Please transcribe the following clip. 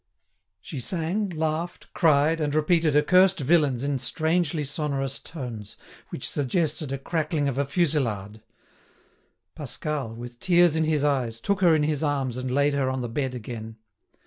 She sang, laughed, cried, and repeated "accursed villains!" in strangely sonorous tones, which suggested a crackling of a fusillade. Pascal, with tears in his eyes, took her in his arms and laid her on the bed again.